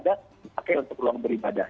dipakai untuk ruang beribadah